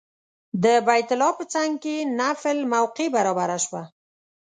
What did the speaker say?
د بیت الله په څنګ کې نفل موقع برابره شوه.